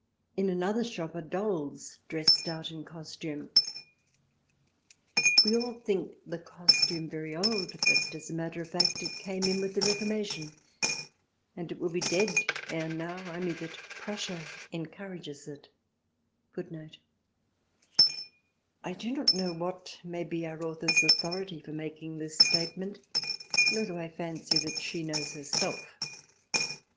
In another shop are dolls dressed out in costume. We all think the costume very old, but, as a matter of fact, it came in with the Reformation,* and it would * I do not know what may be our author's authority for making this statement, nor do I fancy that she knows herself.